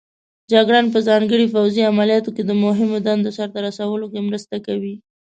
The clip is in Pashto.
جګړن په ځانګړو پوځي عملیاتو کې د مهمو دندو سرته رسولو کې مرسته کوي.